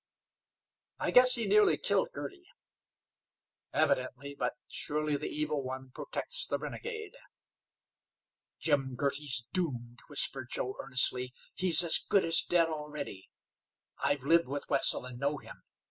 "I guess he nearly killed Girty." "Evidently, but surely the evil one protects the renegade." "Jim Girty's doomed," whispered Joe, earnestly. "He's as good as dead already. I've lived with Wetzel, and know him.